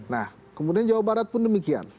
nah kemudian jawa barat pun demikian